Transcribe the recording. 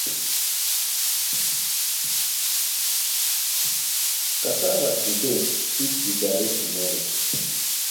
Cassava today fit be Garri tomorrow.